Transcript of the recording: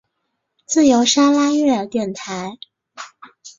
自由砂拉越电台。